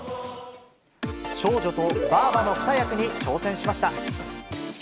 少女とばぁばの２役に挑戦しました。